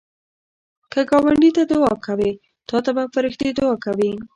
که ګاونډي ته دعا کوې، تا ته به فرښتې دعا کوي